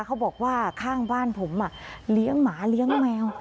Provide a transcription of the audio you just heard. เขาบอกว่าข้างบ้านผมเลี้ยงหมาเลี้ยงแมว